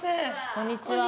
こんにちは。